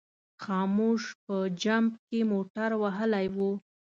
خاموش په جمپ کې موټر وهلی و.